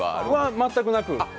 全くなく。